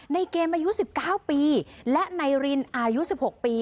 ในเกมอายุสิบเก้าปีและในรินอายุสิบหกปี